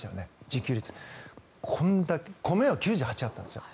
自給率、これだけ米は９８％あったんですよ。